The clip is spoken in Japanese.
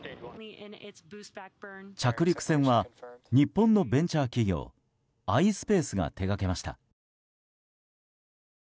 着陸船は日本のベンチャー企業アイスペースが手がけました。